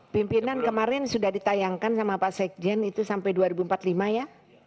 pimpinan kemarin sudah ditayangkan sama pak sekjen itu sampai dua ribu empat puluh lima ya